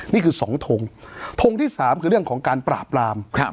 นี่คือสองทงทงที่สามคือเรื่องของการปราบราม